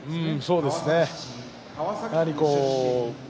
そうですね、はい。